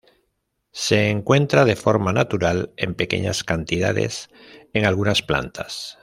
Se encuentra de forma natural, en pequeñas cantidades en algunas plantas.